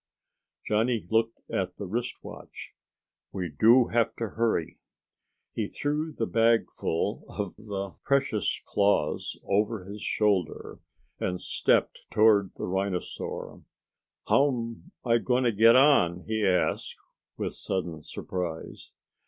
Johnny looked at the wrist watch. "We do have to hurry." He threw the bagful of the precious claws over his shoulder, and stepped toward the rhinosaur. "How'm I going to get on?" he asked, with sudden surprise.